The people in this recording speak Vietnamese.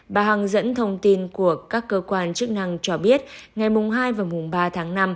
bà hằng dẫn thông tin của các cơ quan chức năng cho biết ngày hai và mùng ba tháng năm